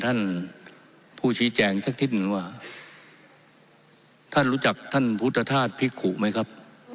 ท่านผู้ชี้แจงสักนิดหนึ่งว่าท่านรู้จักท่านพุทธธาตุภิกขุไหมครับ